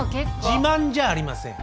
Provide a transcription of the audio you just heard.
自慢じゃありません。